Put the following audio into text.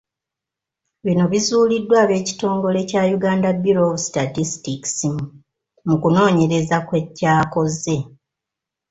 Bino bizuuliddwa ab'ekitongole kya Uganda Bureau Of Statistics mu kunoonyereza kwe kyakoze.